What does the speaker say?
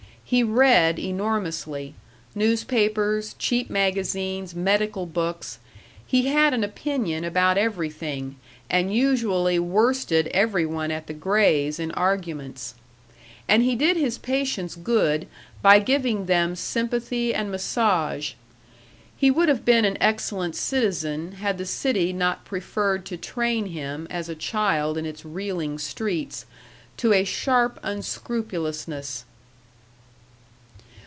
He read enormously newspapers, cheap magazines, medical books; he had an opinion about everything, and usually worsted every one at the Grays' in arguments. And he did his patients good by giving them sympathy and massage. He would have been an excellent citizen had the city not preferred to train him, as a child in its reeling streets, to a sharp unscrupulousness.